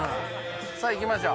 さあいきましょう